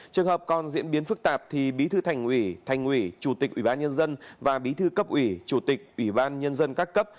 trường hợp còn diễn biến phức tạp thì bí thư thành ủy thành ủy chủ tịch ủy ban nhân dân và bí thư cấp ủy chủ tịch ủy ban nhân dân các cấp